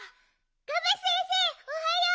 ガメ先生おはよう！